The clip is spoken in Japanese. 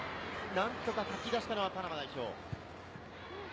何とかかき出したのはパナマ代表。